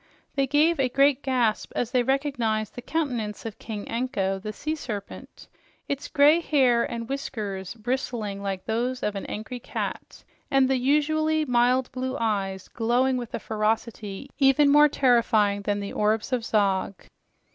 They gave a great gasp as they recognized the countenance of King Anko, the sea serpent, its gray hair and whiskers bristling like those of an angry cat, and the usually mild blue eyes glowing with a ferocity even more terrifying than the orbs of Zog.